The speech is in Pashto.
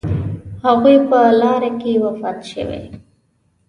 هغوی په لاره کې وفات شوي.